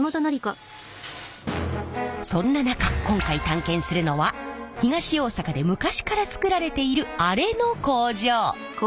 そんな中今回探検するのは東大阪で昔から作られているあれの工場。